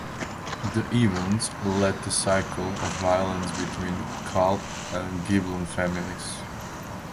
The events led to cycles of violence between Guelph and Ghibelline families.